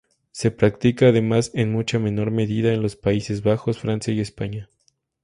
Se práctica además en mucha menor medida en los Países Bajos, Francia y España.